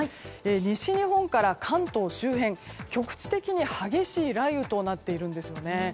西日本から関東周辺局地的に激しい雷雨となっているんですよね。